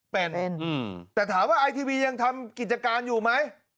เป็นแต่ถามว่าไอทีวียังทำกิจการอยู่ไหม